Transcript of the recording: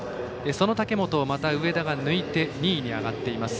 その武本をまた上田が抜いて２位に上がっています。